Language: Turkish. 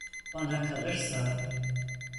Bana kalırsa…